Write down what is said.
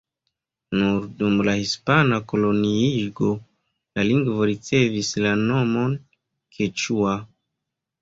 Nur dum la hispana koloniigo la lingvo ricevis la nomon keĉua.